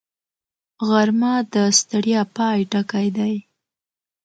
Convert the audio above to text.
غرمه د ستړیا پای ټکی دی